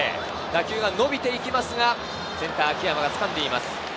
打球は伸びていきますが、センター・秋山が掴んでいます。